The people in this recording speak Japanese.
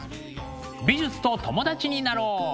美術と友達になろう！